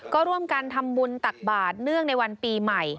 ก็ร่วมกันทำบุญตักบาทเนื่องในวันปีใหม่